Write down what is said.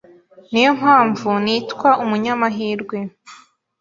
Ni yo mpamvu nitwa umunyamahirwe